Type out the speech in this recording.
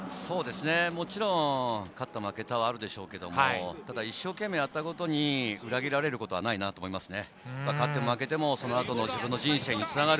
もちろん勝った負けたはあるでしょうけれど、一生懸命やったことに裏切られることはないなと思いますね。